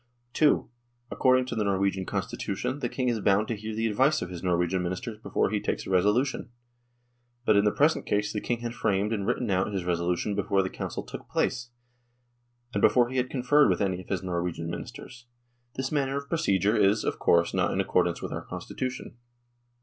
II. According to the Norwegian Constitution the King is bound to hear the advice of his Norwegian Ministers before he takes a resolution. But in the present case the King had framed and written out his resolution before the council took place, and before he had conferred with any of his Norwegian 106 NORWAY AND THE UNION WITH SWEDEN Ministers. This manner of procedure is, of course, not in accordance with our Constitution.